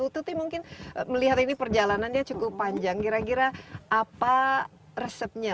tuti mungkin melihat ini perjalanannya cukup panjang kira kira apa resepnya